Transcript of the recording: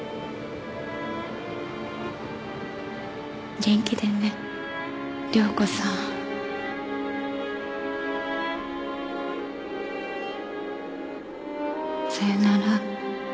元気でね亮子さん。さよなら。